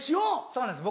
そうなんです